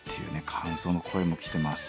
感想の声も来てます。